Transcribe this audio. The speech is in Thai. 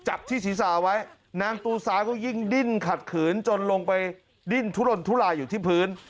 จับที่ศีรษะไว้นางปูซาก็ยิ่งดิ้นขัดขืนจนลงไปดิ้นทุรนทุลายอยู่ที่พื้น